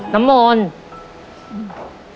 น้ำมนสิบ